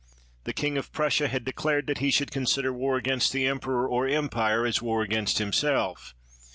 The king of Prussia had declared that he should consider war* against the emperor or empire as war against himself.